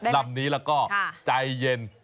ลำนี้แล้วก็ใจเย็น